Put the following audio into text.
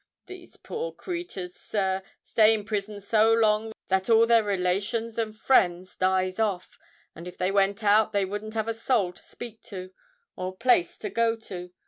"These poor creaturs, sir, stay in prison so long that all their relations and friends dies off; and if they went out, they wouldn't have a soul to speak to, or a place to go to.